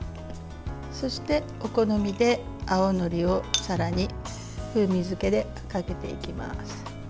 そして、お好みで青のりをさらに風味付けでかけていきます。